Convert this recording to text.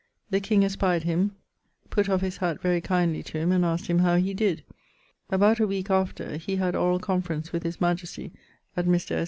The king espied him, putt of his hatt very kindly to him, and asked him how he did. About a weeke after he had orall conference with his majesty at Mr. S.